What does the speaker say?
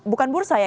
bukan bursa ya